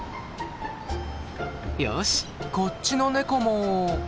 よしこっちのネコも。